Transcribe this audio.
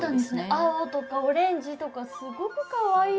青とかオレンジとかすごくかわいいですね。